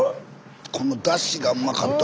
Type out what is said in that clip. このダシがうまかった！